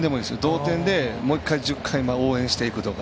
同点で、もう一回１０回応援していくとか。